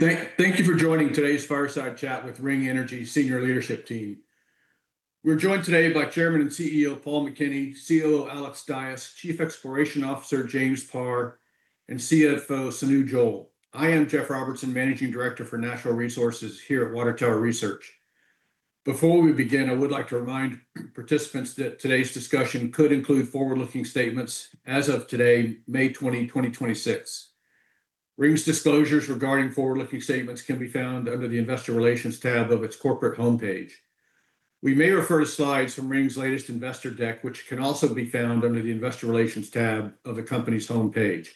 Thank you for joining today's Fireside Chat with Ring Energy senior leadership team. We're joined today by Chairman and CEO, Paul McKinney, COO, Alexander Dyes, Chief Exploration Officer, James J. Parr, and CFO, Sonu Johl. I am Jeff Robertson, Managing Director – Natural Resources here at Water Tower Research. Before we begin, I would like to remind participants that today's discussion could include forward-looking statements as of today, May 20, 2026. Ring's disclosures regarding forward-looking statements can be found under the investor relations tab of its corporate homepage. We may refer to slides from Ring's latest investor deck, which can also be found under the investor relations tab of the company's homepage.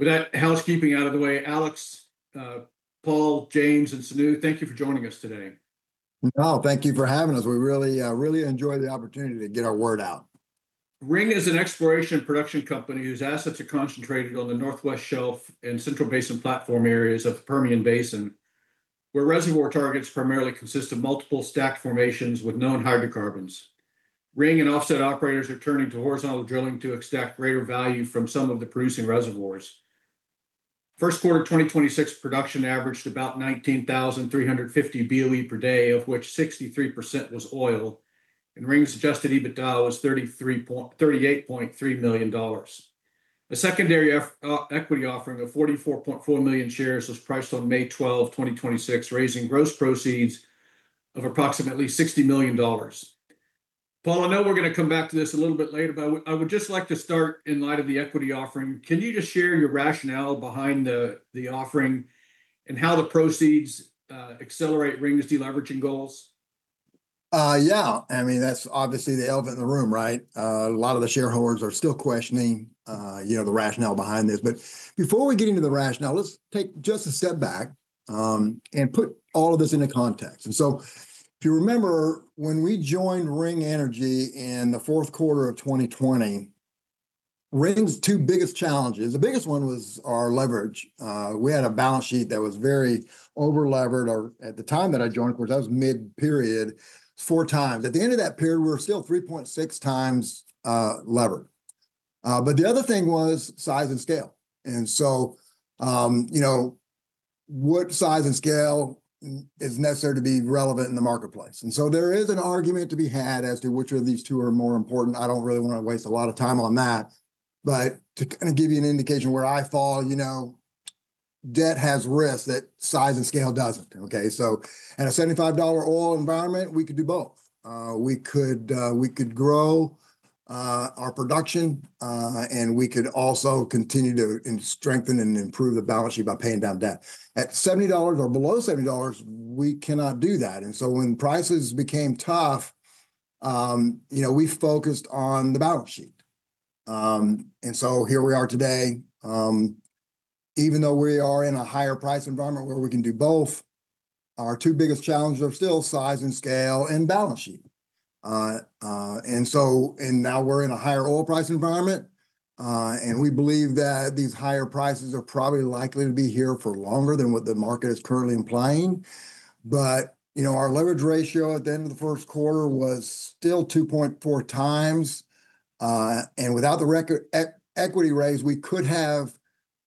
With that housekeeping out of the way, Alexander, Paul, James J. and Sonu, thank you for joining us today. No, thank you for having us. We really enjoy the opportunity to get our word out. Ring is an exploration production company whose assets are concentrated on the Northwest Shelf and Central Basin Platform areas of the Permian Basin, where reservoir targets primarily consist of multiple stacked formations with known hydrocarbons. Ring and offset operators are turning to horizontal drilling to extract greater value from some of the producing reservoirs. First quarter 2026 production averaged about 19,350 BOE per day, of which 63% was oil, and Ring's Adjusted EBITDA was $38.3 million. A secondary equity offering of 44.4 million shares was priced on May 12, 2026, raising gross proceeds of approximately $60 million. Paul, I know we're going to come back to this a little bit later, but I would just like to start in light of the equity offering. Can you just share your rationale behind the offering and how the proceeds accelerate Ring's deleveraging goals? Yeah. That's obviously the elephant in the room, right? A lot of the shareholders are still questioning the rationale behind this. Before we get into the rationale, let's take just a step back and put all of this into context. If you remember, when we joined Ring Energy in the fourth quarter of 2020, Ring Energy's two biggest challenges, the biggest one was our leverage. We had a balance sheet that was very over-levered, or at the time that I joined, of course, that was mid-period, four times. At the end of that period, we're still 3.6x levered. The other thing was size and scale. What size and scale is necessary to be relevant in the marketplace? There is an argument to be had as to which of these two are more important. I don't really want to waste a lot of time on that, to kind of give you an indication where I fall, debt has risks that size and scale doesn't, okay? At a $75 oil environment, we could do both. We could grow our production, and we could also continue to strengthen and improve the balance sheet by paying down debt. At $70 or below $70, we cannot do that. When prices became tough, we focused on the balance sheet. Here we are today. Even though we are in a higher price environment where we can do both, our two biggest challenges are still size and scale and balance sheet. Now, we're in a higher oil price environment. We believe that these higher prices are probably likely to be here for longer than what the market is currently implying. Our leverage ratio at the end of the first quarter was still 2.4x. Without the record equity raise, we could have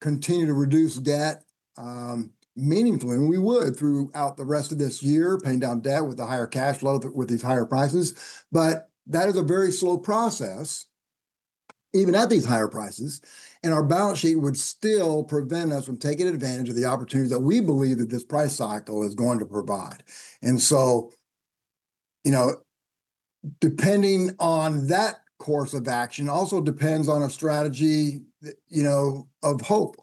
continued to reduce debt meaningfully, and we would throughout the rest of this year, paying down debt with the higher cash flow with these higher prices. That is a very slow process, even at these higher prices, and our balance sheet would still prevent us from taking advantage of the opportunities that we believe that this price cycle is going to provide. Depending on that course of action also depends on a strategy of hope.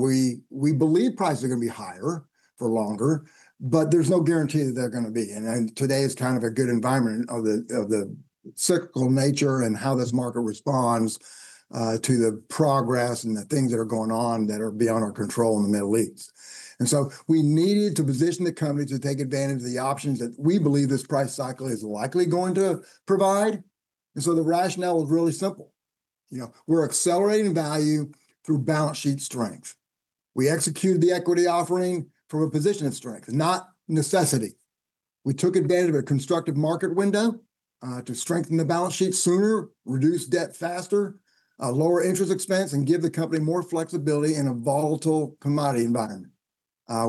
We believe prices are going to be higher for longer, but there's no guarantee that they're going to be. Today is kind of a good environment of the cyclical nature and how this market responds to the progress and the things that are going on that are beyond our control in the Middle East. We needed to position the company to take advantage of the options that we believe this price cycle is likely going to provide. The rationale was really simple. We're accelerating value through balance sheet strength. We executed the equity offering from a position of strength, not necessity. We took advantage of a constructive market window to strengthen the balance sheet sooner, reduce debt faster, lower interest expense, and give the company more flexibility in a volatile commodity environment.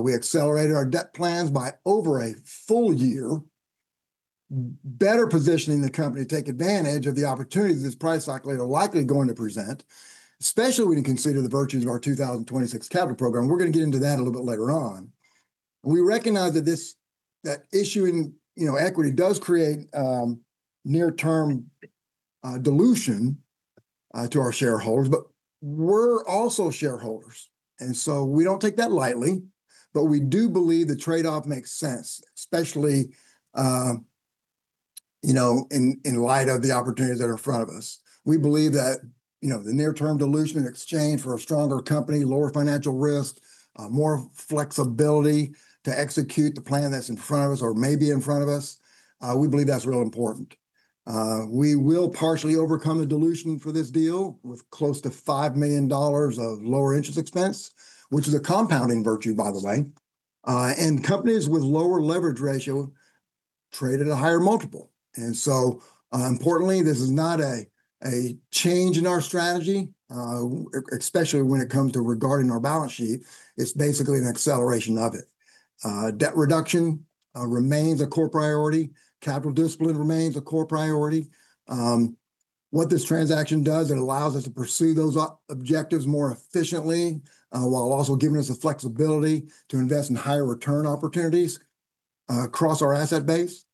We accelerated our debt plans by over a full year, better positioning the company to take advantage of the opportunities this price cycle are likely going to present, especially when you consider the virtues of our 2026 capital program. We're going to get into that a little bit later on. We recognize that issuing equity does create near-term dilution to our shareholders, but we're also shareholders, and so we don't take that lightly. We do believe the trade-off makes sense, especially in light of the opportunities that are in front of us. We believe that the near-term dilution in exchange for a stronger company, lower financial risk, more flexibility to execute the plan that's in front of us or may be in front of us, we believe that's real important. We will partially overcome the dilution for this deal with close to $5 million of lower interest expense, which is a compounding virtue, by the way. Companies with lower leverage ratio trade at a higher multiple. Importantly, this is not a change in our strategy, especially when it comes to regarding our balance sheet. It's basically an acceleration of it. Debt reduction remains a core priority. Capital discipline remains a core priority. What this transaction does, it allows us to pursue those objectives more efficiently, while also giving us the flexibility to invest in higher return opportunities across our asset base.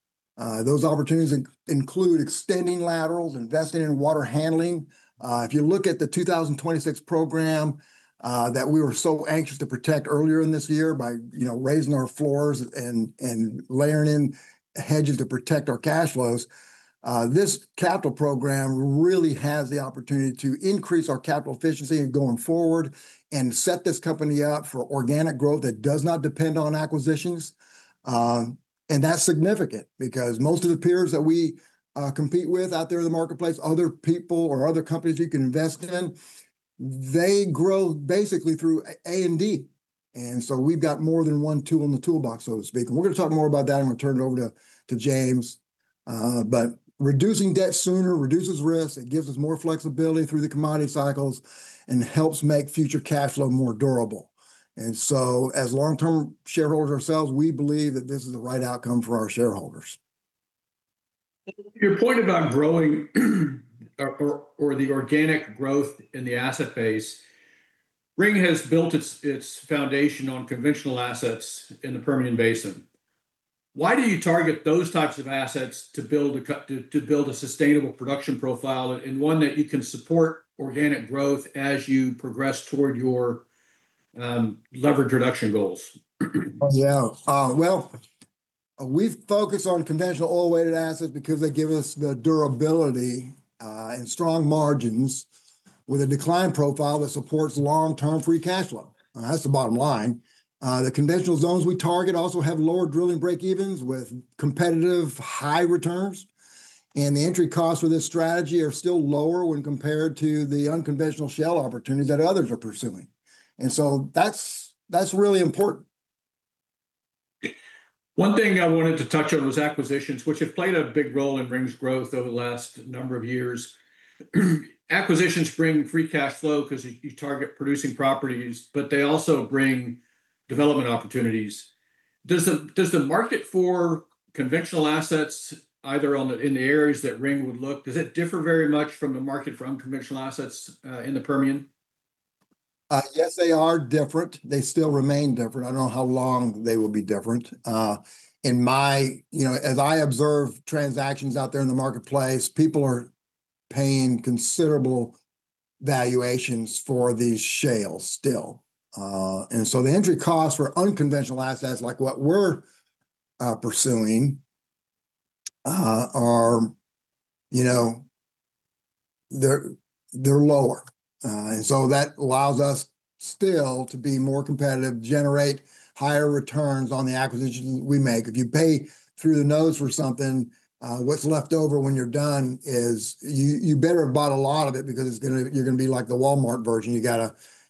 Those opportunities include extending laterals, investing in water handling. If you look at the 2026 program that we were so anxious to protect earlier in this year by raising our floors and layering in hedges to protect our cash flows. This capital program really has the opportunity to increase our capital efficiency going forward, and set this company up for organic growth that does not depend on acquisitions. That's significant because most of the peers that we compete with out there in the marketplace, other people or other companies you can invest in, they grow basically through A&D. We've got more than one tool in the toolbox, so to speak. We're going to talk more about that when I turn it over to James. Reducing debt sooner reduces risk. It gives us more flexibility through the commodity cycles and helps make future cash flow more durable. As long-term shareholders ourselves, we believe that this is the right outcome for our shareholders. Your point about growing or the organic growth in the asset base, Ring has built its foundation on conventional assets in the Permian Basin. Why do you target those types of assets to build a sustainable production profile and one that you can support organic growth as you progress toward your leverage reduction goals? Yeah. Well, we focus on conventional oil-weighted assets because they give us the durability and strong margins with a decline profile that supports long-term free cash flow. That's the bottom line. The conventional zones we target also have lower drilling breakevens with competitive high returns. The entry costs for this strategy are still lower when compared to the unconventional shale opportunities that others are pursuing. That's really important. One thing I wanted to touch on was acquisitions, which have played a big role in Ring's growth over the last number of years. Acquisitions bring free cash flow because you target producing properties, but they also bring development opportunities. Does the market for conventional assets, either in the areas that Ring would look, does it differ very much from the market for unconventional assets in the Permian? Yes, they are different. They still remain different. I don't know how long they will be different. As I observe transactions out there in the marketplace, people are paying considerable valuations for these shales still. The entry costs for unconventional assets like what we're pursuing, they're lower. That allows us still to be more competitive, generate higher returns on the acquisitions we make. If you pay through the nose for something, what's left over when you're done is you better have bought a lot of it because you're going to be like the Walmart version.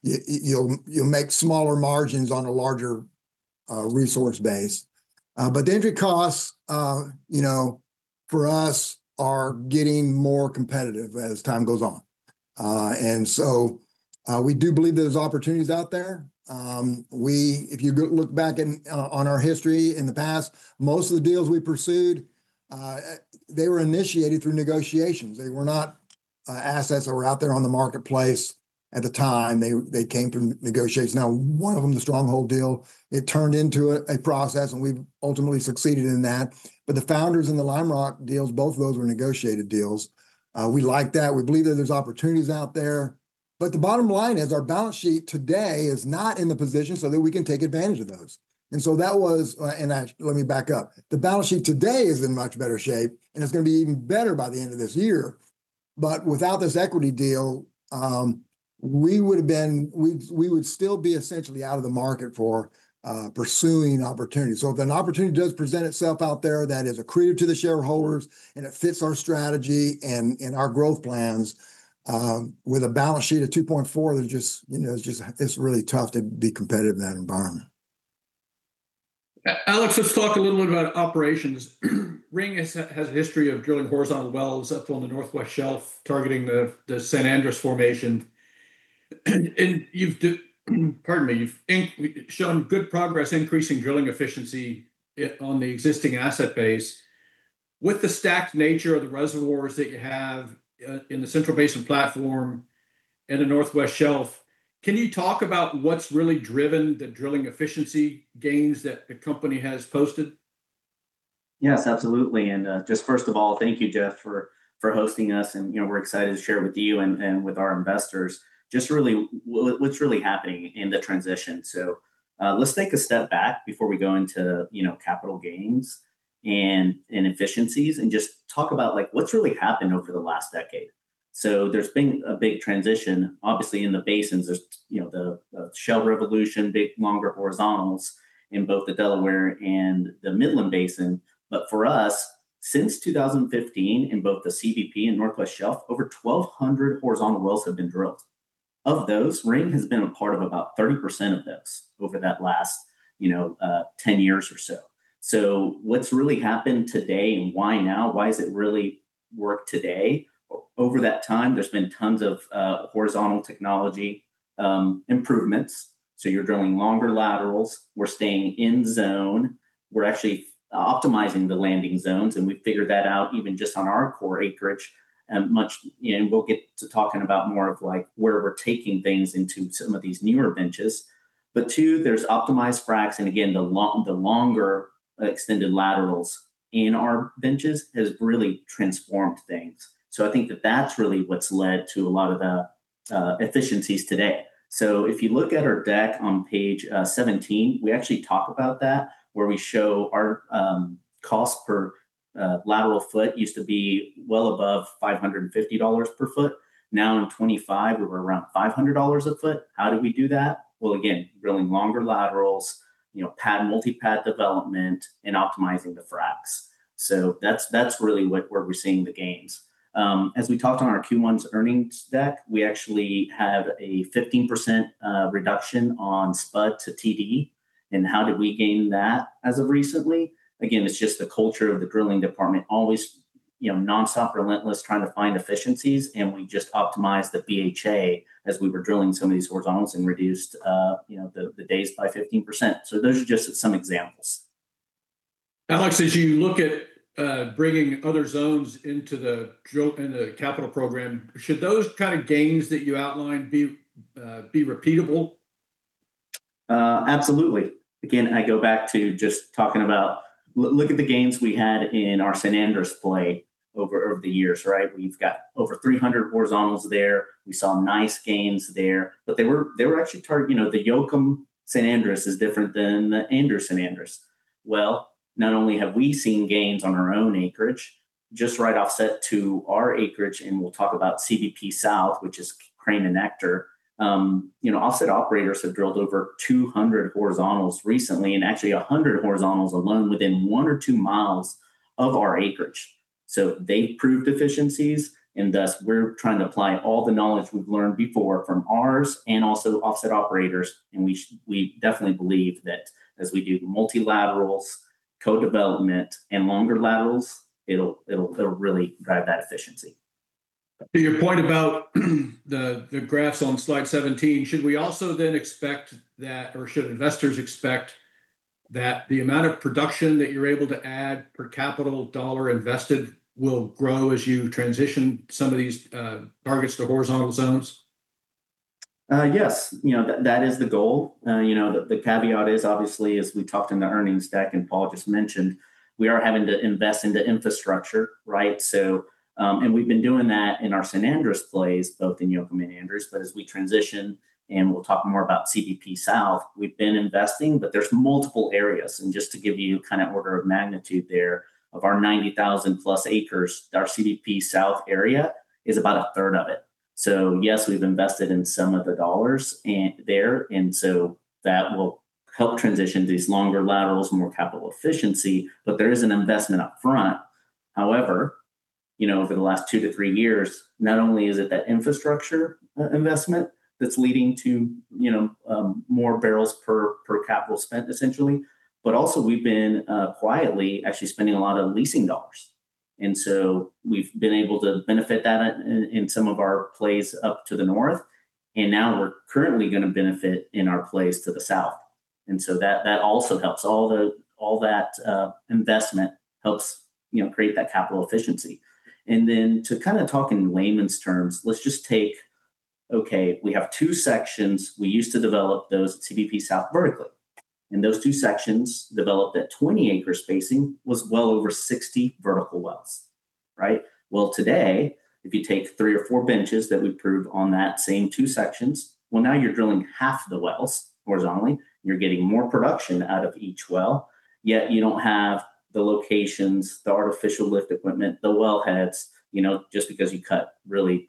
You'll make smaller margins on a larger resource base. The entry costs for us are getting more competitive as time goes on. We do believe there's opportunities out there. If you look back on our history, in the past, most of the deals we pursued, they were initiated through negotiations. They were not assets that were out there on the marketplace at the time. They came through negotiations. Now, one of them, the Stronghold deal, it turned into a process, and we ultimately succeeded in that. The Founders and the Lime Rock deals, both of those were negotiated deals. We like that. We believe that there's opportunities out there. The bottom line is, our balance sheet today is not in the position so that we can take advantage of those. Let me back up. The balance sheet today is in much better shape, and it's going to be even better by the end of this year. Without this equity deal, we would still be essentially out of the market for pursuing opportunities. If an opportunity does present itself out there that is accretive to the shareholders and it fits our strategy and our growth plans, with a balance sheet of 2.4x, it's really tough to be competitive in that environment. Alex, let's talk a little bit about operations. Ring has a history of drilling horizontal wells up on the Northwest Shelf, targeting the San Andrés formation. Pardon me. You've shown good progress increasing drilling efficiency on the existing asset base. With the stacked nature of the reservoirs that you have in the Central Basin Platform and the Northwest Shelf, can you talk about what's really driven the drilling efficiency gains that the company has posted? Yes, absolutely. Just first of all, thank you, Jeff, for hosting us, and we're excited to share with you and with our investors just what's really happening in the transition. Let's take a step back before we go into capital gains and efficiencies, and just talk about what's really happened over the last decade. There's been a big transition, obviously, in the basins. There's the shale revolution, big, longer horizontals in both the Delaware and the Midland Basin. For us since 2015, in both the CDP and Northwest Shelf, over 1,200 horizontal wells have been drilled. Of those, Ring has been a part of about 30% of those over that last 10 years or so. What's really happened today and why now? Why does it really work today? Over that time, there's been tons of horizontal technology improvements. You're drilling longer laterals. We're staying in zone. We're actually optimizing the landing zones, and we've figured that out even just on our core acreage, and we'll get to talking about more of where we're taking things into some of these newer benches. Two, there's optimized fracs, and again, the longer extended laterals in our benches has really transformed things. I think that that's really what's led to a lot of the efficiencies today. If you look at our deck on page 17, we actually talk about that, where we show our cost per lateral foot used to be well above $550 per foot. Now in 2025, we're around $500 a foot. How did we do that? Well, again, drilling longer laterals, pad, multi-pad development, and optimizing the fracs. That's really where we're seeing the gains. As we talked on our Q1 earnings deck, we actually have a 15% reduction on spud to TD. How did we gain that as of recently? Again, it's just the culture of the drilling department, always non-stop, relentless, trying to find efficiencies, and we just optimized the BHA as we were drilling some of these horizontals and reduced the days by 15%. Those are just some examples. Alex, as you look at bringing other zones into the capital program, should those kind of gains that you outlined be repeatable? Absolutely. Again, I go back to just talking about, look at the gains we had in our San Andrés play over the years. We've got over 300 horizontals there. We saw nice gains there. The Yoakum San Andrés is different than the Andrews San Andrés. Well, not only have we seen gains on our own acreage, just right offset to our acreage, and we'll talk about CBP South, which is Crane and Ector. Offset operators have drilled over 200 horizontals recently, and actually 100 horizontals alone within one or two miles of our acreage. They've proved efficiencies, thus we're trying to apply all the knowledge we've learned before from ours and also the offset operators. We definitely believe that as we do multilaterals, co-development, and longer laterals, it'll really drive that efficiency. To your point about the graphs on slide 17, should we also then expect that, or should investors expect that the amount of production that you're able to add per capital dollar invested will grow as you transition some of these targets to horizontal zones? Yes. That is the goal. The caveat is obviously, as we talked in the earnings deck and Paul just mentioned, we are having to invest into infrastructure, right? We've been doing that in our San Andrés plays, both in Yoakum and Andrews. As we transition, and we'll talk more about CBP South, we've been investing, but there's multiple areas. Just to give you kind of order of magnitude there, of our 90,000+ acres, our CBP South area is about 1/3 of it. Yes, we've invested in some of the dollars there, and so that will help transition these longer laterals, more capital efficiency. There is an investment up front. However, over the last two to three years, not only is it that infrastructure investment that's leading to more barrels per capital spent, essentially, but also we've been quietly actually spending a lot of leasing dollars. We've been able to benefit that in some of our plays up to the north. Now we're currently going to benefit in our plays to the south. That also helps. All that investment helps create that capital efficiency. To kind of talk in layman's terms, let's just take, okay, we have two sections. We used to develop those CBP South vertically. Those two sections developed at 20 acre spacing, was well over 60 vertical wells. Right? Today, if you take three or four benches that we've proved on that same two sections, well, now you're drilling half the wells horizontally. You're getting more production out of each well, yet you don't have the locations, the artificial lift equipment, the wellheads, just because you cut really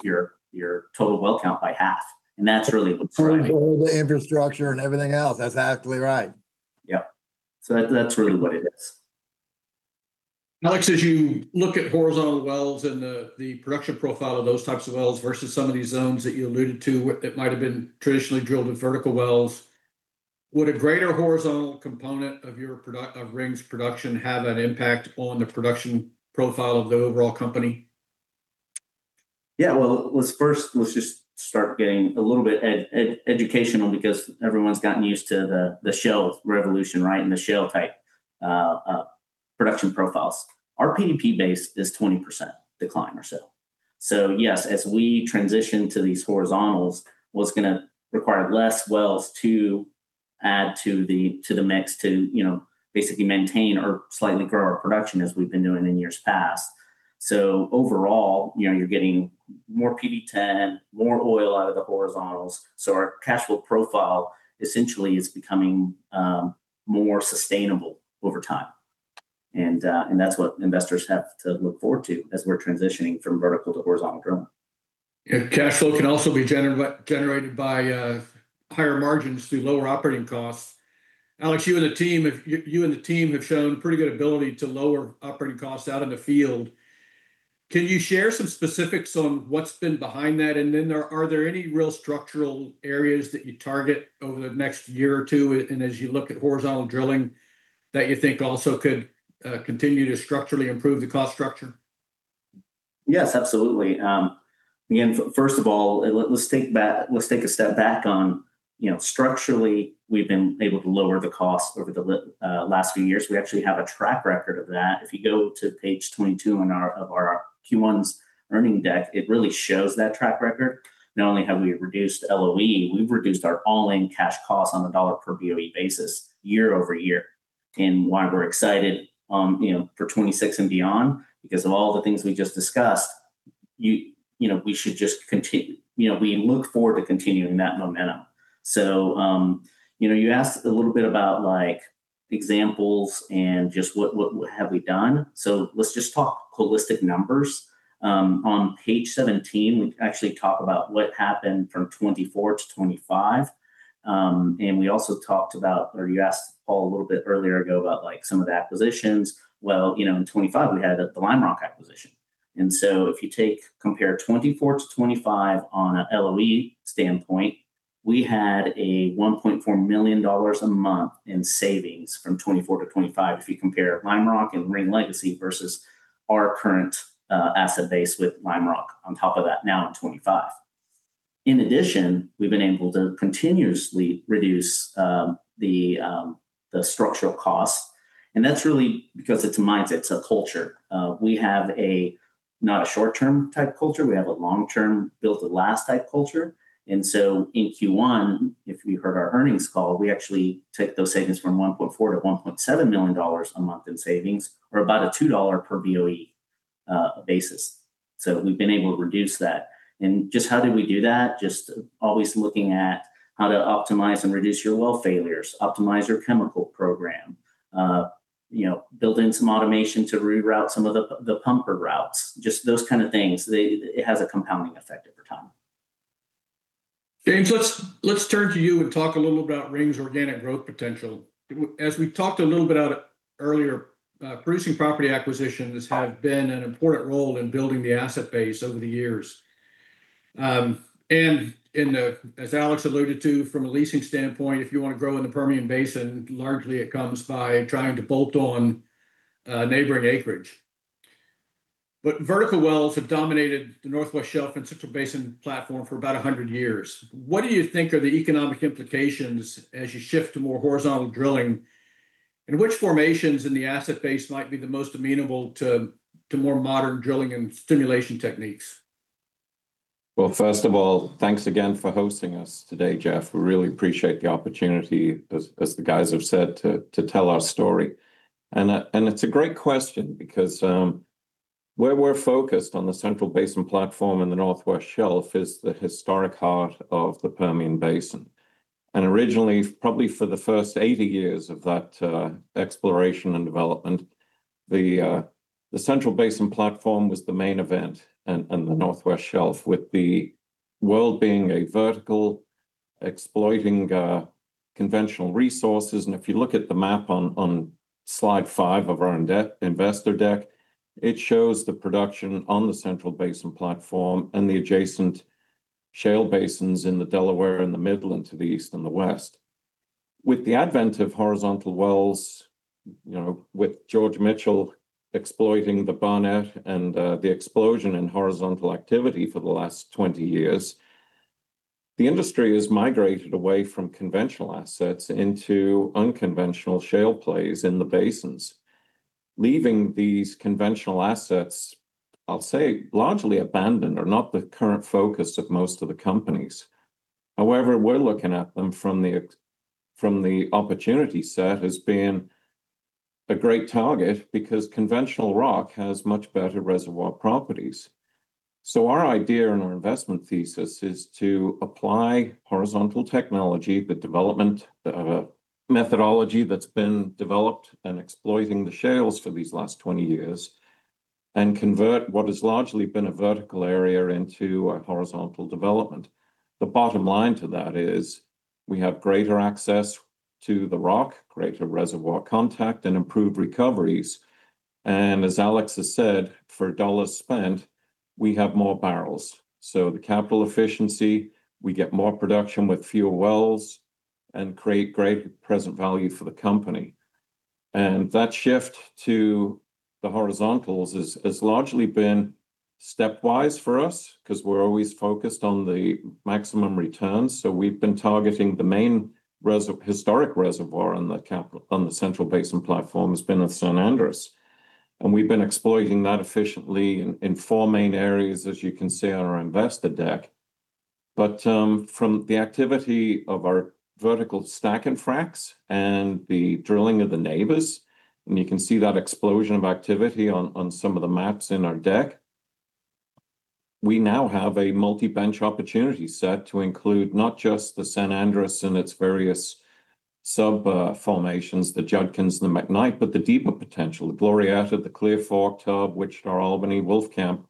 your total well count by half. The infrastructure and everything else. That's exactly right. Yeah. That's really what it is. Alexander Dyes, as you look at horizontal wells and the production profile of those types of wells versus some of these zones that you alluded to that might have been traditionally drilled in vertical wells, would a greater horizontal component of Ring Energy's production have an impact on the production profile of the overall company? Well, let's first just start getting a little bit educational because everyone's gotten used to the shale revolution and the shale type production profiles. Our PDP base is 20% decline or so. Yes, as we transition to these horizontals, what's going to require less wells to add to the mix to basically maintain or slightly grow our production as we've been doing in years past. Overall, you're getting more PV10, more oil out of the horizontals. Our cash flow profile essentially is becoming more sustainable over time. That's what investors have to look forward to as we're transitioning from vertical to horizontal drilling. Yeah. Cash flow can also be generated by higher margins through lower operating costs. Alexander Dyes, you and the team have shown pretty good ability to lower operating costs out in the field. Can you share some specifics on what's been behind that? Are there any real structural areas that you target over the next year or two, and as you look at horizontal drilling, that you think also could continue to structurally improve the cost structure? Yes, absolutely. First of all, let's take a step back on structurally, we've been able to lower the cost over the last few years. We actually have a track record of that. If you go to page 22 of our Q1's earning deck, it really shows that track record. Not only have we reduced LOE, we've reduced our all-in cash cost on a dollar per BOE basis year-over-year. Why we're excited for 2026 and beyond, because of all the things we just discussed, we look forward to continuing that momentum. You asked a little bit about examples and just what have we done. Let's just talk holistic numbers. On page 17, we actually talk about what happened from 2024 to 2025. We also talked about, or you asked Paul a little bit earlier ago about some of the acquisitions. Well, in 2025 we had the Lime Rock acquisition. If you compare 2024 to 2025 on an LOE standpoint, we had a $1.4 million a month in savings from 2024 to 2025. If you compare Lime Rock and Ring Legacy versus our current asset base with Lime Rock on top of that now in 2025. In addition, we've been able to continuously reduce the structural cost, and that's really because it's a mindset, it's a culture. We have not a short-term type culture, we have a long-term built to last type culture. In Q1, if you heard our earnings call, we actually took those savings from $1.4 million-$1.7 million a month in savings or about a $2 per BOE basis. We've been able to reduce that. Just how do we do that? Always looking at how to optimize and reduce your well failures, optimize your chemical program, build in some automation to reroute some of the pumper routes, just those kind of things. It has a compounding effect over time. James, let's turn to you and talk a little about Ring's organic growth potential. As we talked a little bit earlier, producing property acquisitions have been an important role in building the asset base over the years. As Alexander Dyes alluded to, from a leasing standpoint, if you want to grow in the Permian Basin, largely it comes by trying to bolt on neighboring acreage. But vertical wells have dominated the Northwest Shelf and Central Basin Platform for about 100 years. What do you think are the economic implications as you shift to more horizontal drilling, and which formations in the asset base might be the most amenable to more modern drilling and stimulation techniques? Well, first of all, thanks again for hosting us today, Jeff Robertson. We really appreciate the opportunity, as the guys have said, to tell our story. It's a great question because where we're focused on the Central Basin Platform and the Northwest Shelf is the historic heart of the Permian Basin. Originally, probably for the first 80 years of that exploration and development, the Central Basin Platform was the main event, and the Northwest Shelf, with the world being a vertical, exploiting conventional resources. If you look at the map on slide 5 of our investor deck, it shows the production on the Central Basin Platform and the adjacent shale basins in the Delaware and the Midland to the east and the west. With the advent of horizontal wells, with George Mitchell exploiting the Barnett and the explosion in horizontal activity for the last 20 years, the industry has migrated away from conventional assets into unconventional shale plays in the basins. Leaving these conventional assets, I'll say, largely abandoned or not the current focus of most of the companies. We're looking at them from the opportunity set as being a great target because conventional rock has much better reservoir properties. Our idea and our investment thesis is to apply horizontal technology, the development, the methodology that's been developed and exploiting the shales for these last 20 years, and convert what has largely been a vertical area into a horizontal development. The bottom line to that is we have greater access to the rock, greater reservoir contact, and improved recoveries. As Alexander Dyes has said, for a dollar spent, we have more barrels. The capital efficiency, we get more production with fewer wells and create great present value for the company. That shift to the horizontals has largely been stepwise for us because we're always focused on the maximum returns. We've been targeting the main historic reservoir on the Central Basin Platform has been at San Andrés, and we've been exploiting that efficiently in four main areas, as you can see on our investor deck. From the activity of our vertical stack and fracs and the drilling of the neighbors, and you can see that explosion of activity on some of the maps in our deck. We now have a multi-bench opportunity set to include not just the San Andrés and its various sub-formations, the Judkins and the McKnight, but the deeper potential, the Glorieta, the Clear Fork, Tubb, Wichita Albany, Wolfcamp.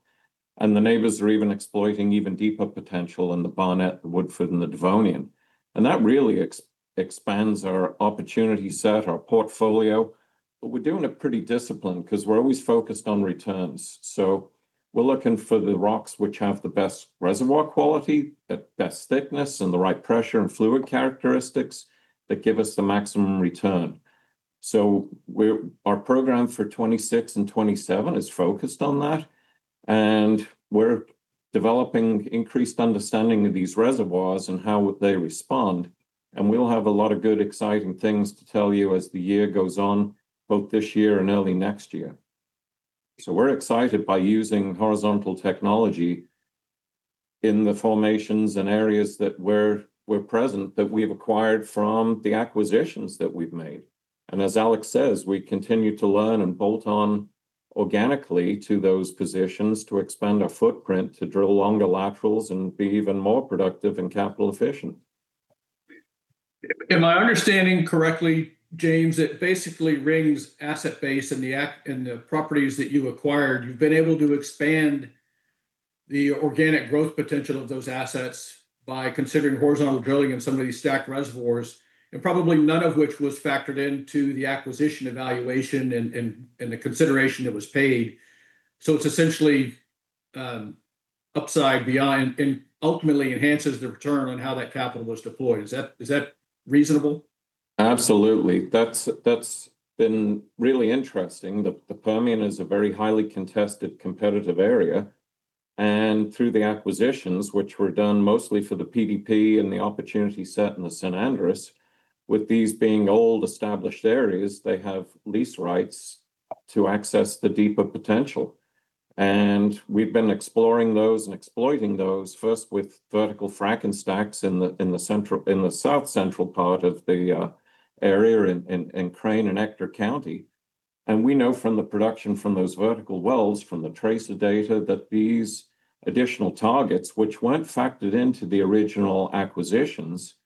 The neighbors are even exploiting even deeper potential in the Barnett, the Woodford, and the Devonian. That really expands our opportunity set, our portfolio. We're doing it pretty disciplined because we're always focused on returns. We're looking for the rocks which have the best reservoir quality, the best thickness, and the right pressure and fluid characteristics that give us the maximum return. Our program for 2026 and 2027 is focused on that, and we're developing increased understanding of these reservoirs and how would they respond. We'll have a lot of good, exciting things to tell you as the year goes on, both this year and early next year. We're excited by using horizontal technology in the formations and areas that we're present, that we've acquired from the acquisitions that we've made. As Alexander Dyes says, we continue to learn and bolt on organically to those positions to expand our footprint, to drill longer laterals and be even more productive and capital efficient. Am I understanding correctly, James? At basically Ring's asset base and the properties that you acquired, you've been able to expand the organic growth potential of those assets by considering horizontal drilling in some of these stacked reservoirs, and probably none of which was factored into the acquisition evaluation and the consideration that was paid. It's essentially upside beyond, and ultimately enhances the return on how that capital was deployed. Is that reasonable? Absolutely. That's been really interesting. The Permian is a very highly contested, competitive area. Through the acquisitions, which were done mostly for the PDP and the opportunity set in the San Andrés, with these being old established areas, they have lease rights to access the deeper potential. We've been exploring those and exploiting those, first with vertical frac stacks in the south central part of the area in Crane and Ector County. We know from the production from those vertical wells, from the tracer data, that these additional targets, which weren't factored into the original acquisitions,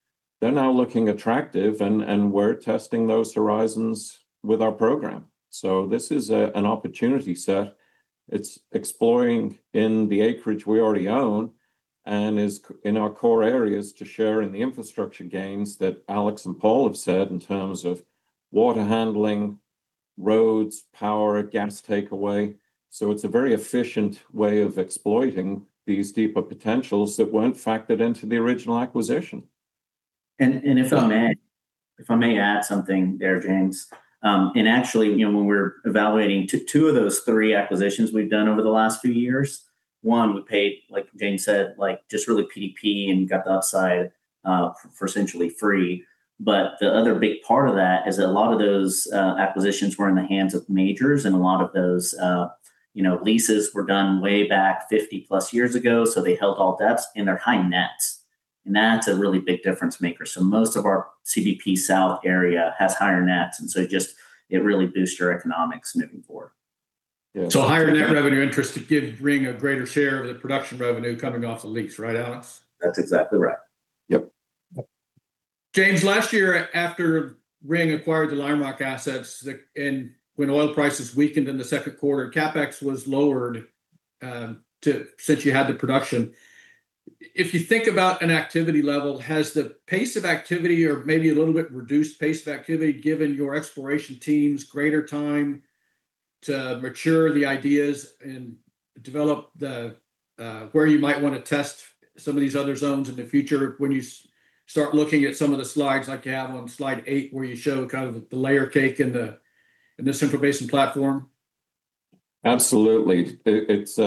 they're now looking attractive, and we're testing those horizons with our program. This is an opportunity set. It's exploring in the acreage we already own and is in our core areas to share in the infrastructure gains that Alexander Dyes and Paul McKinney have said in terms of water handling, roads, power, gas takeaway. It's a very efficient way of exploiting these deeper potentials that weren't factored into the original acquisition. If I may add something there, James. Actually, when we were evaluating two of those three acquisitions we've done over the last few years, one, we paid, like James said, just really PDP and got the upside for essentially free. The other big part of that is that a lot of those acquisitions were in the hands of majors, and a lot of those leases were done way back 50+ years ago, so they held all depths and they're high nets. That's a really big difference maker. Most of our CBP South area has higher nets, and so it really boosts your economics moving forward. Yeah. Higher net revenue interest to give Ring a greater share of the production revenue coming off the lease, right, Alex? That's exactly right. Yep. James, last year after Ring acquired the Lime Rock assets, when oil prices weakened in the second quarter, CapEx was lowered since you had the production. If you think about an activity level, has the pace of activity or maybe a little bit reduced pace of activity given your exploration teams greater time to mature the ideas and develop where you might want to test some of these other zones in the future when you start looking at some of the slides like you have on slide 8, where you show kind of the layer cake in the Central Basin Platform? Absolutely. It's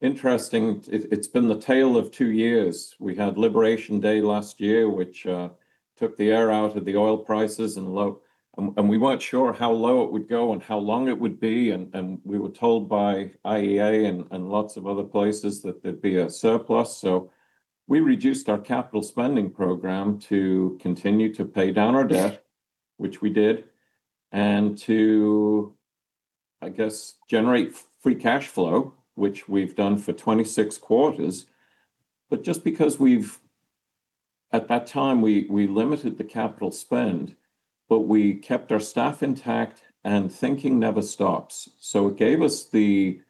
interesting. It's been the tale of two years. We had Liberation Day last year, which took the air out of the oil prices, and we weren't sure how low it would go and how long it would be, and we were told by IEA and lots of other places that there'd be a surplus. We reduced our capital spending program to continue to pay down our debt, which we did, and to, I guess, generate free cash flow, which we've done for 26 quarters. Just because at that time, we limited the capital spend, but we kept our staff intact and thinking never stops. It gave us the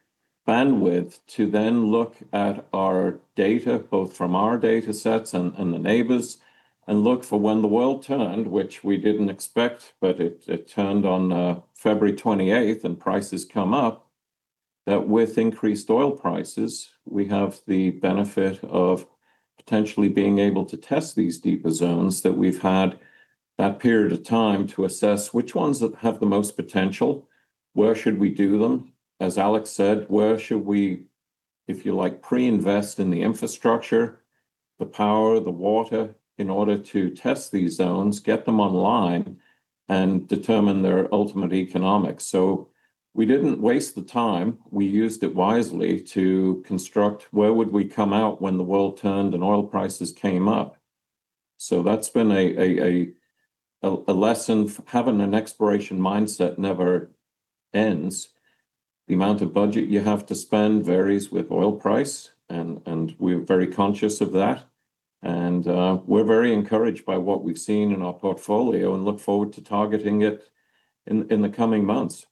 bandwidth to then look at our data, both from our data sets and the neighbors, and look for when the world turned, which we didn't expect, but it turned on February 28th and prices come up, that with increased oil prices, we have the benefit of potentially being able to test these deeper zones that we've had that period of time to assess which ones have the most potential, where should we do them? As Alexander Dyes said, where should we, if you like, pre-invest in the infrastructure, the power, the water, in order to test these zones, get them online, and determine their ultimate economics. We didn't waste the time. We used it wisely to construct where would we come out when the world turned and oil prices came up. That's been a lesson. Having an exploration mindset never ends. The amount of budget you have to spend varies with oil price, we're very conscious of that. We're very encouraged by what we've seen in our portfolio and look forward to targeting it in the coming months.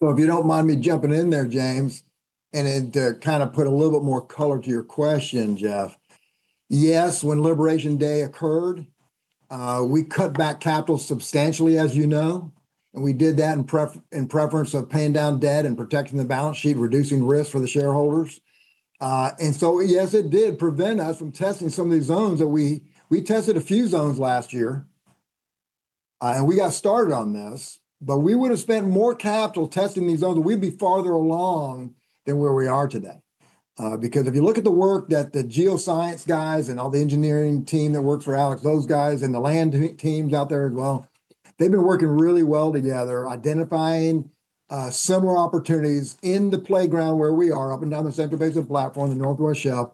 If you don't mind me jumping in there, James, and to put a little bit more color to your question, Jeff. Yes, when Liberation Day occurred, we cut back capital substantially, as you know. We did that in preference of paying down debt and protecting the balance sheet, reducing risk for the shareholders. Yes, it did prevent us from testing some of these zones. We tested a few zones last year, and we got started on this, but we would've spent more capital testing these zones, and we'd be farther along than where we are today. If you look at the work that the geoscience guys and all the engineering team that works for Alex, those guys, and the land teams out there as well, they've been working really well together, identifying similar opportunities in the playground where we are, up and down the Central Basin Platform, the Northwest Shelf.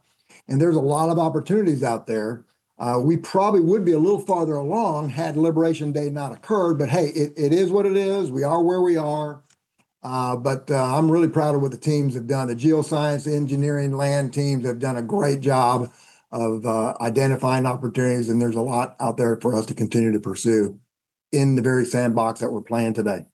There's a lot of opportunities out there. We probably would be a little farther along had Liberation Day not occurred. Hey, it is what it is. We are where we are. I'm really proud of what the teams have done. The geoscience engineering land teams have done a great job of identifying opportunities. There's a lot out there for us to continue to pursue in the very sandbox that we're playing today.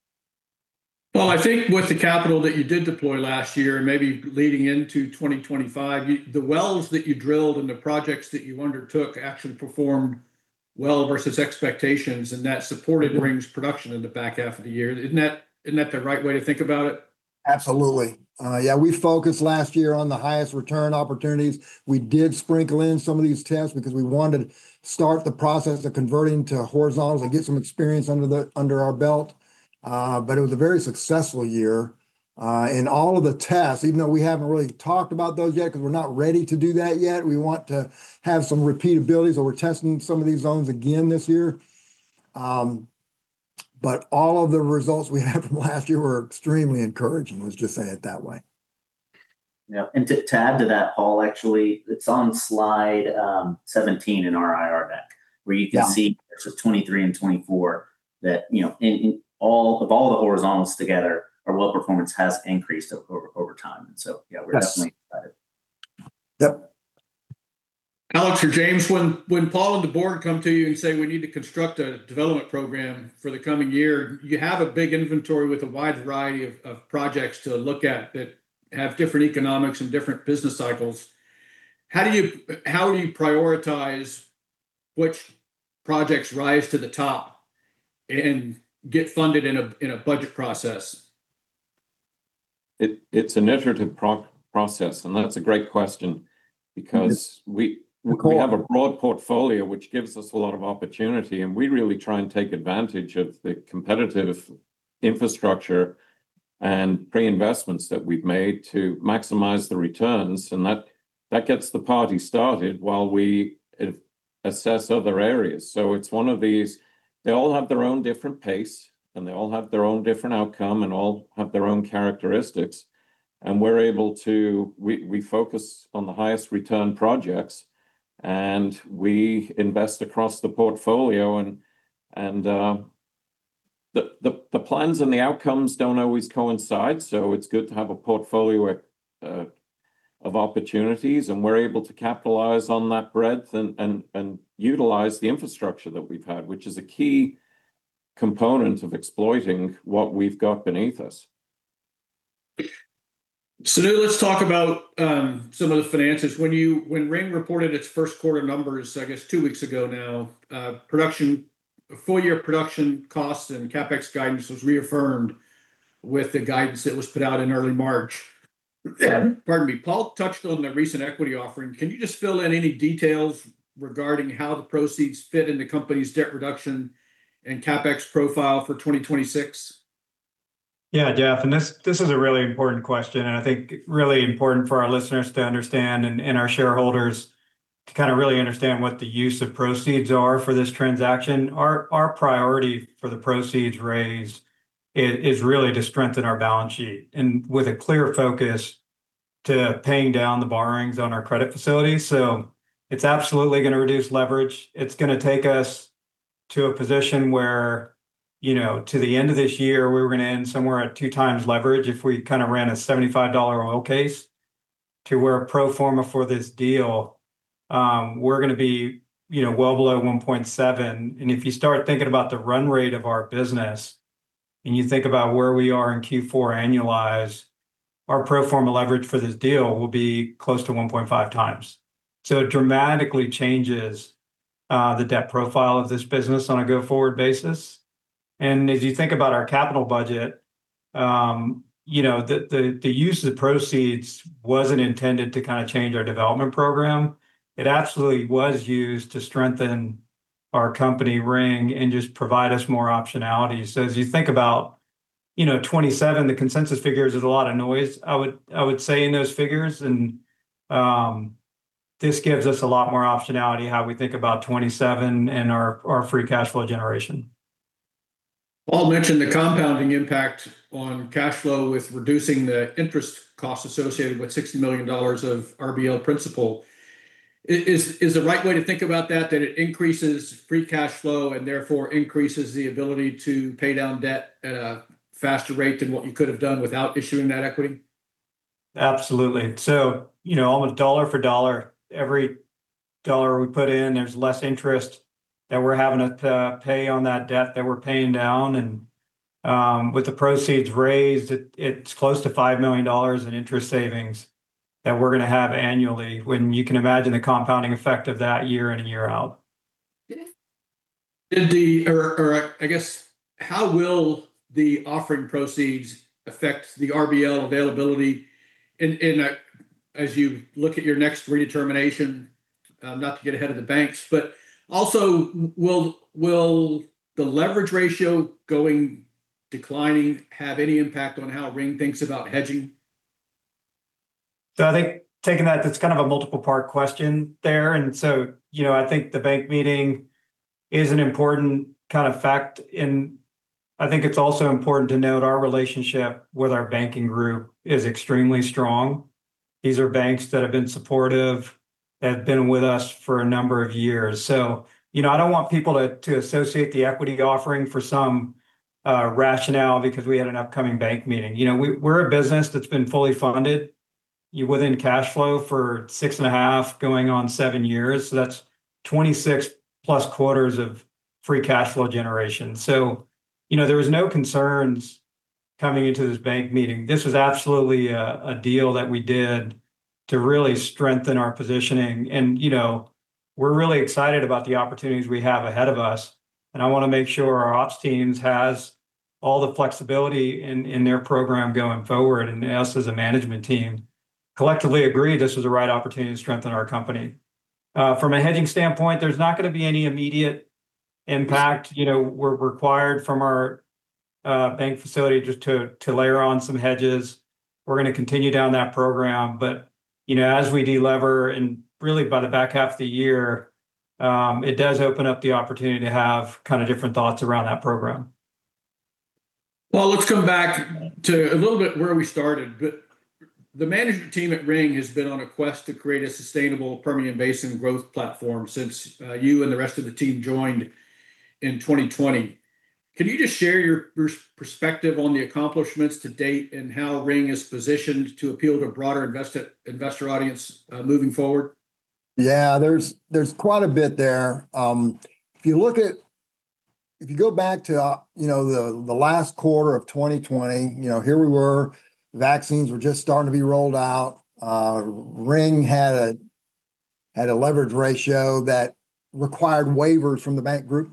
Well, I think with the capital that you did deploy last year and maybe leading into 2025, the wells that you drilled and the projects that you undertook actually performed well versus expectations, and that supported Ring's production in the back half of the year. Isn't that the right way to think about it? Absolutely. We focused last year on the highest return opportunities. We did sprinkle in some of these tests because we wanted to start the process of converting to horizontals and get some experience under our belt. It was a very successful year. All of the tests, even though we haven't really talked about those yet, because we're not ready to do that yet, we want to have some repeatabilities or we're testing some of these zones again this year. All of the results we have from last year were extremely encouraging, let's just say it that way. Yeah. To add to that, Paul, actually, it's on slide 17 in our IR deck, where you can see. Yeah. For 2023 and 2024 that of all the horizontals together, our well performance has increased over time. Yeah, we're definitely excited. Yep. Alex or James, when Paul and the board come to you and say, "We need to construct a development program for the coming year," you have a big inventory with a wide variety of projects to look at that have different economics and different business cycles. How do you prioritize which projects rise to the top and get funded in a budget process? It's an iterative process, and that's a great question because we have a broad portfolio, which gives us a lot of opportunity, and we really try and take advantage of the competitive infrastructure and pre-investments that we've made to maximize the returns. That gets the party started while we assess other areas. It's one of these, they all have their own different pace, and they all have their own different outcome and all have their own characteristics. We focus on the highest return projects, and we invest across the portfolio. The plans and the outcomes don't always coincide, so it's good to have a portfolio of opportunities, and we're able to capitalize on that breadth and utilize the infrastructure that we've had, which is a key component of exploiting what we've got beneath us. Now, let's talk about some of the finances. When Ring reported its first quarter numbers, I guess two weeks ago now, full year production costs and CapEx guidance was reaffirmed with the guidance that was put out in early March. Pardon me. Paul touched on the recent equity offering. Can you just fill in any details regarding how the proceeds fit in the company's debt reduction and CapEx profile for 2026? Yeah, Jeff, and this is a really important question, and I think really important for our listeners to understand, and our shareholders to really understand what the use of proceeds are for this transaction. Our priority for the proceeds raised is really to strengthen our balance sheet, and with a clear focus to paying down the borrowings on our credit facilities. It's absolutely going to reduce leverage. It's going to take us to a position where to the end of this year, we were going to end somewhere at two times leverage if we ran a $75 oil case. To where pro forma for this deal, we're going to be well below 1.7. If you start thinking about the run rate of our business, and you think about where we are in Q4 annualize, our pro forma leverage for this deal will be close to 1.5x. It dramatically changes the debt profile of this business on a go-forward basis. As you think about our capital budget, the use of the proceeds wasn't intended to change our development program. It absolutely was used to strengthen our company Ring and just provide us more optionality. As you think about 2027, the consensus figures, there's a lot of noise, I would say, in those figures, and this gives us a lot more optionality how we think about 2027 and our free cash flow generation. Paul mentioned the compounding impact on cash flow with reducing the interest cost associated with $60 million of RBL principal. Is the right way to think about that it increases free cash flow and therefore increases the ability to pay down debt at a faster rate than what you could have done without issuing that equity? Absolutely. Almost dollar for dollar, every dollar we put in, there's less interest that we're having to pay on that debt that we're paying down. With the proceeds raised, it's close to $5 million in interest savings that we're going to have annually, when you can imagine the compounding effect of that year in and year out. How will the offering proceeds affect the RBL availability in a, as you look at your next redetermination? Not to get ahead of the banks, also, will the leverage ratio going declining have any impact on how Ring thinks about hedging? I think taking that's kind of a multiple part question there. I think the bank meeting is an important kind of fact. I think it's also important to note our relationship with our banking group is extremely strong. These are banks that have been supportive, have been with us for a number of years. I don't want people to associate the equity offering for some rationale because we had an upcoming bank meeting. We're a business that's been fully funded within cash flow for 6.5, going on seven years. That's 26+ quarters of free cash flow generation. There was no concerns coming into this bank meeting. This was absolutely a deal that we did to really strengthen our positioning. We're really excited about the opportunities we have ahead of us, and I want to make sure our ops teams has all the flexibility in their program going forward. Us, as a management team, collectively agreed this was the right opportunity to strengthen our company. From a hedging standpoint, there's not going to be any immediate impact. We're required from our bank facility just to layer on some hedges. We're going to continue down that program. As we de-lever, and really by the back half of the year, it does open up the opportunity to have kind of different thoughts around that program. Let's come back to a little bit where we started. The management team at Ring has been on a quest to create a sustainable Permian Basin growth platform since you and the rest of the team joined in 2020. Can you just share your perspective on the accomplishments to date and how Ring is positioned to appeal to a broader investor audience moving forward? Yeah, there's quite a bit there. If you go back to the last quarter of 2020, here we were, vaccines were just starting to be rolled out. Ring had a leverage ratio that required waivers from the bank group.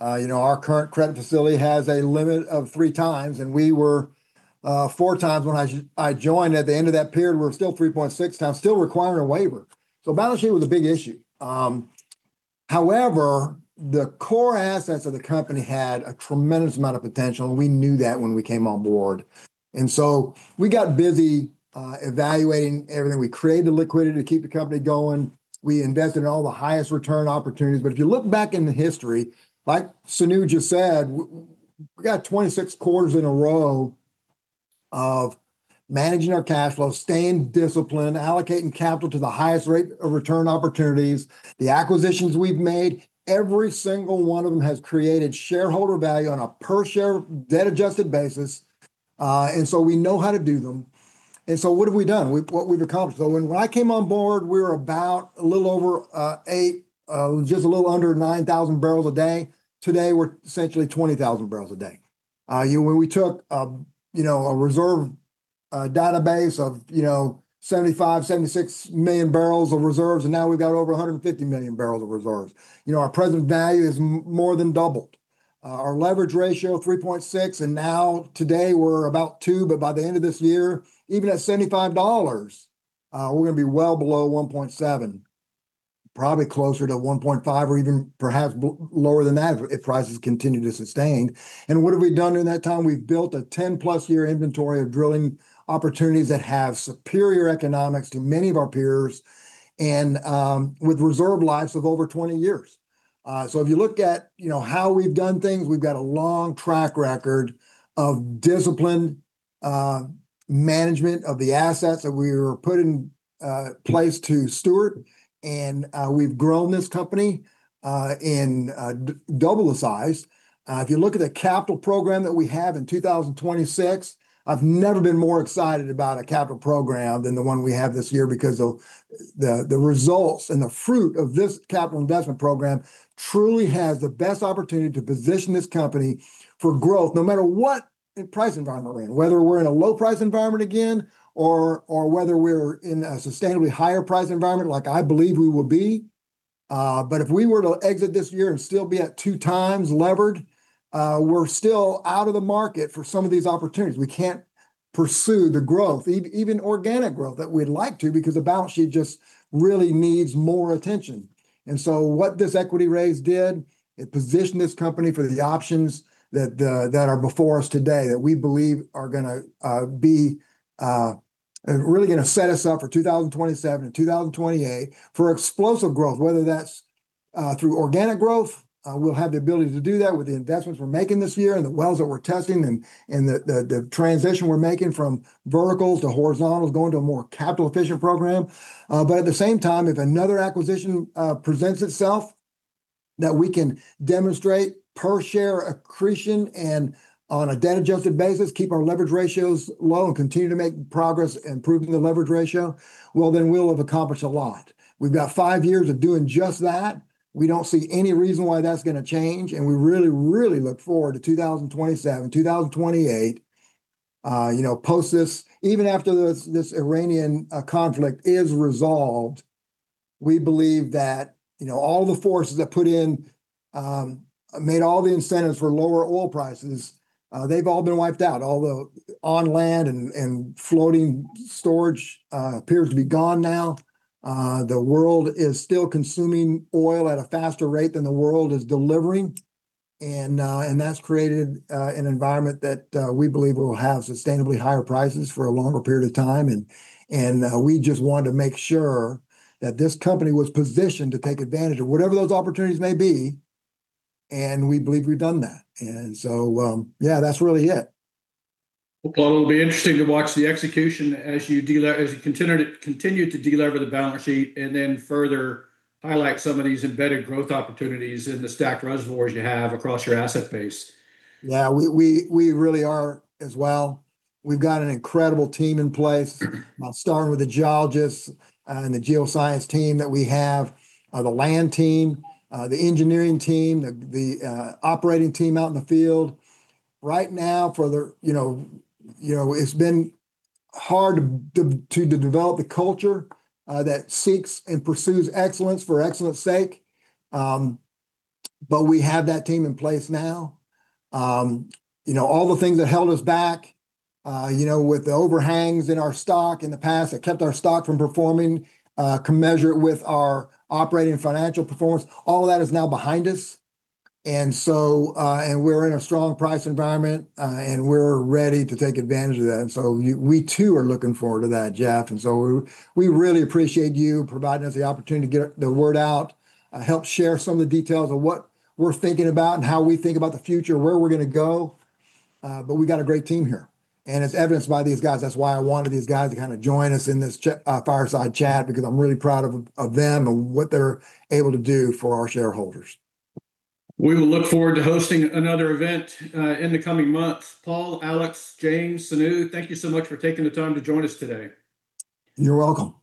Our current credit facility has a limit of three times, we were four times when I joined. At the end of that period, we're still 3.6x, still requiring a waiver. The balance sheet was a big issue. However, the core assets of the company had a tremendous amount of potential, and we knew that when we came on board. We got busy evaluating everything. We created the liquidity to keep the company going. We invested in all the highest return opportunities. If you look back into history, like Sonu just said, we got 26 quarters in a row of managing our cash flow, staying disciplined, allocating capital to the highest rate of return opportunities. The acquisitions we've made, every single one of them has created shareholder value on a per share debt adjusted basis. We know how to do them. What have we done? What we've accomplished? When I came on board, we were about a little over eight, just a little under 9,000 barrels a day. Today, we're essentially 20,000 barrels a day. When we took a reserve database of 75 million-76 million barrels of reserves, and now we've got over 150 million barrels of reserves. Our present value is more than doubled. Our leverage ratio, 3.6, now today we're about two, but by the end of this year, even at $75, we're going to be well below 1.7, probably closer to 1.5 or even perhaps lower than that if prices continue to sustain. What have we done during that time? We've built a 10+ year inventory of drilling opportunities that have superior economics to many of our peers and with reserve lives of over 20 years. If you look at how we've done things, we've got a long track record of disciplined management of the assets that we were put in place to steward. We've grown this company in double the size. If you look at the capital program that we have in 2026, I've never been more excited about a capital program than the one we have this year because the results and the fruit of this capital investment program truly has the best opportunity to position this company for growth, no matter what price environment we're in. Whether we're in a low price environment again, or whether we're in a sustainably higher price environment like I believe we will be. If we were to exit this year and still be at two times levered, we're still out of the market for some of these opportunities. We can't pursue the growth, even organic growth that we'd like to because the balance sheet just really needs more attention. What this equity raise did, it positioned this company for the options that are before us today, that we believe are going to be really going to set us up for 2027 and 2028 for explosive growth, whether that's through organic growth. We'll have the ability to do that with the investments we're making this year, and the wells that we're testing, and the transition we're making from verticals to horizontals, going to a more capital efficient program. At the same time, if another acquisition presents itself that we can demonstrate per share accretion, and on a debt-adjusted basis, keep our leverage ratios low and continue to make progress improving the leverage ratio, well then we'll have accomplished a lot. We've got five years of doing just that. We don't see any reason why that's going to change, and we really, really look forward to 2027, 2028. Post this, even after this Iranian conflict is resolved, we believe that all the forces that put in, made all the incentives for lower oil prices, they've all been wiped out. All the on land and floating storage appears to be gone now. The world is still consuming oil at a faster rate than the world is delivering, and that's created an environment that we believe will have sustainably higher prices for a longer period of time. We just wanted to make sure that this company was positioned to take advantage of whatever those opportunities may be, and we believe we've done that. Yeah, that's really it. Well, Paul, it'll be interesting to watch the execution as you continue to de-lever the balance sheet, and then further highlight some of these embedded growth opportunities in the stacked reservoirs you have across your asset base. Yeah, we really are as well. We've got an incredible team in place, starting with the geologists and the geoscience team that we have. The land team, the engineering team, the operating team out in the field. Right now, it's been hard to develop a culture that seeks and pursues excellence for excellence sake. We have that team in place now. All the things that held us back, with the overhangs in our stock in the past that kept our stock from performing, can measure it with our operating and financial performance. All that is now behind us. We're in a strong price environment, and we're ready to take advantage of that. We too are looking forward to that, Jeff. We really appreciate you providing us the opportunity to get the word out, help share some of the details of what we're thinking about and how we think about the future, where we're going to go. We've got a great team here. It's evidenced by these guys. That's why I wanted these guys to join us in this Fireside Chat because I'm really proud of them and what they're able to do for our shareholders. We will look forward to hosting another event in the coming months. Paul, Alex, James, Sonu, thank you so much for taking the time to join us today. You're welcome.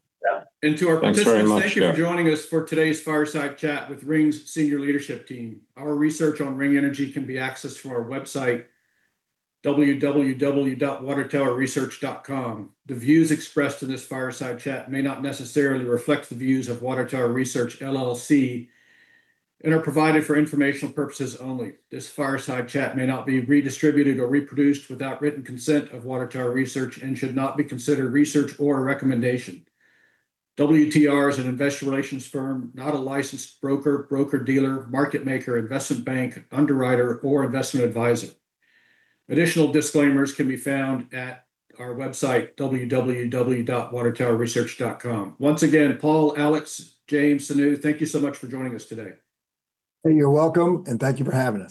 Yeah. Thanks very much, Jeff. To our participants, thank you for joining us for today's Fireside Chat with Ring's senior leadership team. Our research on Ring Energy can be accessed from our website, www.watertowerresearch.com. The views expressed in this Fireside Chat may not necessarily reflect the views of Water Tower Research LLC, and are provided for informational purposes only. This Fireside Chat may not be redistributed or reproduced without written consent of Water Tower Research and should not be considered research or a recommendation. WTR is an investor relations firm, not a licensed broker-dealer, market maker, investment bank, underwriter, or investment advisor. Additional disclaimers can be found at our website, www.watertowerresearch.com. Once again, Paul, Alexander, James, Sonu, thank you so much for joining us today. Hey, you're welcome, and thank you for having us.